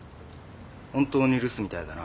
本当に留守みたいだな。